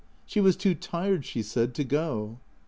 She was too tired, she said, to go.